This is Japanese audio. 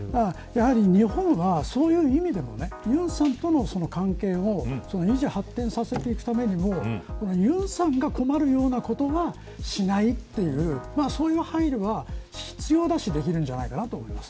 日本は、そういう意味でも尹さんとの関係を維持、発展させていくためにも尹さんが困るようなことはしないというそういう配慮が必要だしできるんじゃないかと思います。